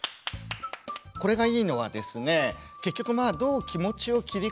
これがいいのはですね